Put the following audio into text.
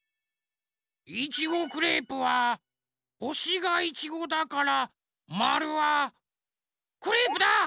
いちごクレープはほしがいちごだからまるはクレープだ！